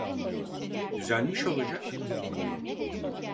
Düzelmiş olacak.